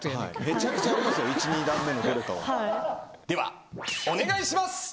ではお願いします！